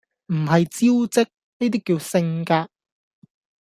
唔係招積，呢啲叫性格